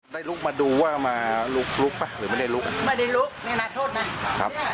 ได้ลุกมาดูว่ามาลุกลุกป่ะหรือไม่ได้ลุกไม่ได้ลุกนี่นะโทษนะครับ